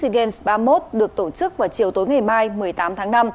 bóng đá nữ sea games ba mươi một được tổ chức vào chiều tối ngày mai một mươi tám tháng năm